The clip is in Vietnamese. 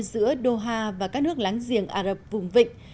giữa doha và các nước láng giềng ả rập vùng vịnh